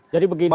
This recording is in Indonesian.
jadi begini pak